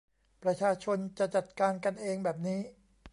ประชาชนจะจัดการกันเองแบบนี้